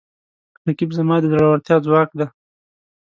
رقیب زما د زړورتیا ځواک دی